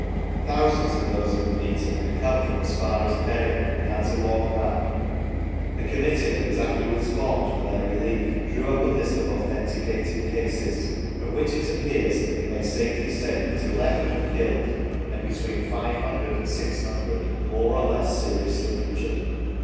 Thousands of those at the meeting had come from as far as Bury, and had to walk back. The Committee that was afterwards formed for their relief drew up a list of authenticated cases, from which it appears that we may safely say that eleven were killed and between 500 and 600 more or less seriously injured.